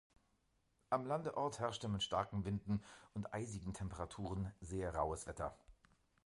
Am Landeort herrschte mit starken Winden und eisigen Temperaturen sehr raues Wetter.